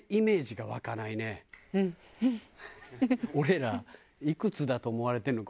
俺らいくつだと思われてるのか。